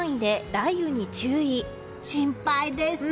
心配です。